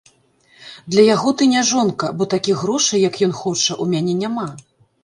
Для яго ты не жонка, бо такіх грошай, як ён хоча, у мяне няма.